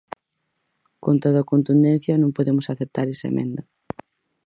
Con toda contundencia, non podemos aceptar esa emenda.